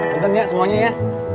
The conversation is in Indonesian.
bentar ya semuanya ya